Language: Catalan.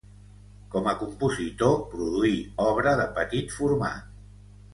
Com a compositor produí obra de petit format.